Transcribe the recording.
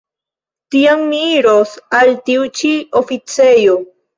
Tiam mi iros al tiu ĉi oficejo.